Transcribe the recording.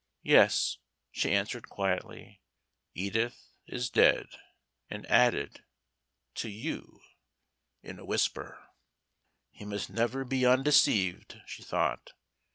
"Yes," she answered quietly, "Edith is dead." And added "to you," in a whisper. "He must never be undeceived," she thought.